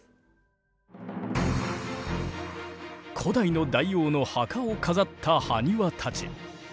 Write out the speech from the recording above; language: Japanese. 古代の大王の墓を飾ったハニワたち。